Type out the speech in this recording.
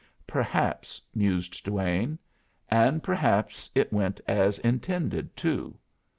"Perhaps," mused Duane. "And perhaps it went as intended, too.